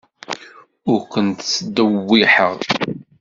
Ur kent-ttdewwiḥeɣ.